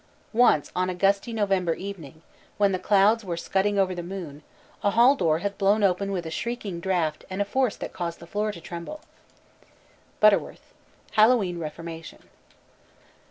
Once ... on a gusty November evening, when the clouds were scudding over the moon, a hall door had blown open with a shrieking draft and a force that caused the floor to tremble." BUTTERWORTH: _Hallowe'en Reformation.